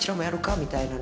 みたいな。